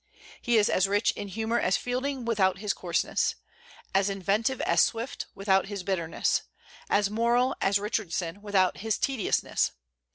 He is as rich in humor as Fielding, without his coarseness; as inventive as Swift, without his bitterness; as moral as Richardson, without his tediousness.